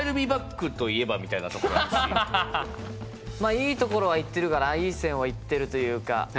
いいところはいってるかないい線はいってるというか。